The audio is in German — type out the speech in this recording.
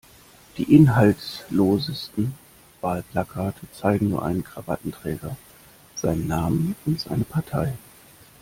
Die inhaltslosesten Wahlplakate zeigen nur einen Krawattenträger, seinen Namen und seine Partei.